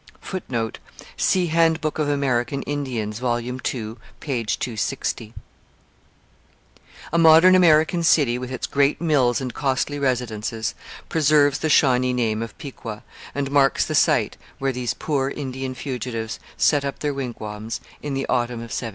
[Footnote: See Handbook of American Indians, vol. ii, p. 260.] A modern American city, with its great mills and costly residences, preserves the Shawnee name of Piqua, and marks the site where these poor Indian fugitives set up their wigwams in the autumn of 1780.